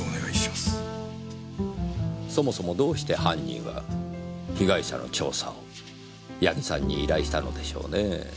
そもそもどうして犯人は被害者の調査を矢木さんに依頼したのでしょうねぇ？